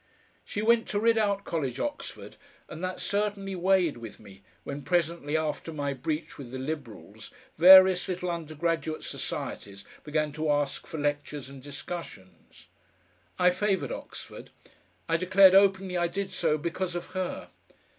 She went to Ridout College, Oxford, and that certainly weighed with me when presently after my breach with the Liberals various little undergraduate societies began to ask for lectures and discussions. I favoured Oxford. I declared openly I did so because of her.